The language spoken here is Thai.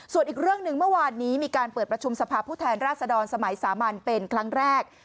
ส่วนอีกเรื่องหนึ่งเมื่อวานนี้มีการเปิดประชุมสภาพผู้แทนราชดรสมัยสามัญเป็นครั้งแรก